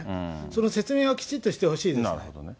その説明はきちっとしてほしいですね。